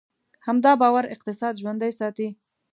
همدا باور اقتصاد ژوندی ساتي.